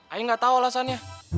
ayah nggak tahu alasannya